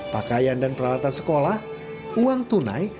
pakaian dan peralatan sekolah uang tunai